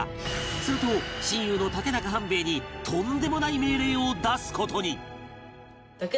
すると親友の竹中半兵衛にとんでもない命令を出す事に